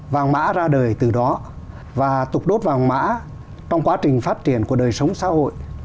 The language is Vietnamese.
vàng mã ra đời từ đó và tục đốt vàng mã trong quá trình phát triển của đời sống xã hội